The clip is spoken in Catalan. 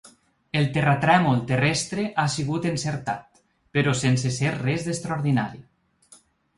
El terratrèmol terrestre ha sigut encertat, però sense ser res d’extraordinari.